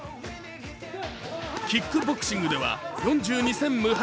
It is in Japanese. キックボクシングでは４２戦無敗。